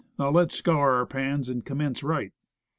Now let's scour our pans and commence right."